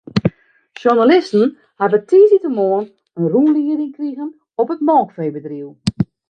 Sjoernalisten hawwe tiisdeitemoarn in rûnlieding krigen op it melkfeebedriuw.